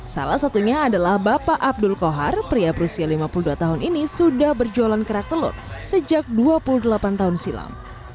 salah satunya adalah bapak abdul kohar pria berusia lima puluh dua tahun ini sudah berjualan kerak telur sejak dua puluh delapan tahun silam